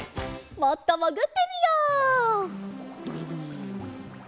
もっともぐってみよう。